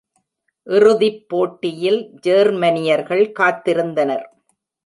இறுதிப்போட்டியில் ஜேர்மனியர்கள் காத்திருந்தனர்.